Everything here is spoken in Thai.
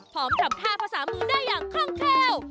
พร้อมทำท่าภาษามือได้อย่างคล่องเขว